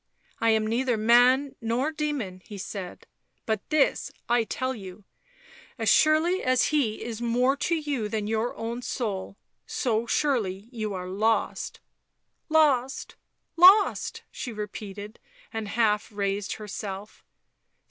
" I am neither man nor demon," he said. " But this I tell you, as surely as he is more to you than your own soul, so surely are you lost." " Lost ! Lost !" she repeated, and half raised herself.